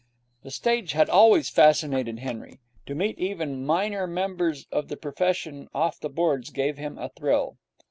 The stage had always fascinated Henry. To meet even minor members of the profession off the boards gave him a thrill.